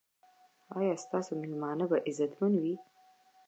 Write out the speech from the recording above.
ایا ستاسو میلمانه به عزتمن وي؟